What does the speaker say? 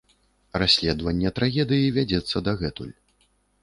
Расследаванне трагедыі вядзецца дагэтуль.